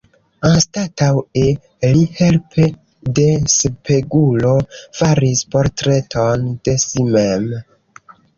Anstataŭe, li helpe de spegulo faris portreton de si mem.